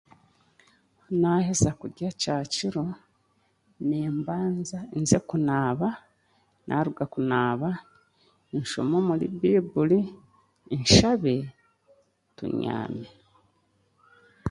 Naaheza kurya kyakiro, nimbanza nze kunaaba, naaruga kunaaba, nshome n'omuri baiburi, nshabe, nyame.